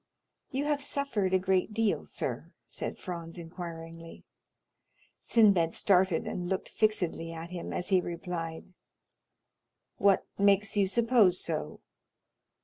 "You have suffered a great deal, sir?" said Franz inquiringly. Sinbad started and looked fixedly at him, as he replied, "What makes you suppose so?"